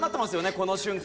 この瞬間。